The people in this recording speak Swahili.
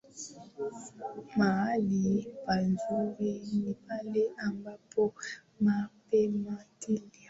Mahali pazuri ni pale ambapo pametulia